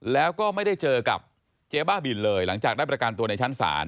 แล้วก็ไม่ได้เจอกับเจ๊บ้าบินเลยหลังจากได้ประกันตัวในชั้นศาล